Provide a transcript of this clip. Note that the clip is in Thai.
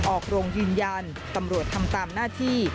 ออกโรงยืนยันตำรวจทำตามหน้าที่